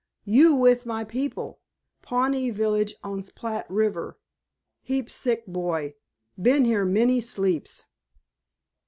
"You with my people. Pawnee village on Platte River. Heap sick boy. Been here many sleeps."